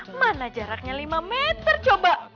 kemana jaraknya lima meter coba